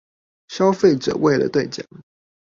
消費者為了對獎